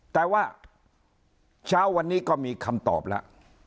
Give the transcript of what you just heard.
แต่ว่าเช้าวันนี้ก็มีคำตอบแล้ว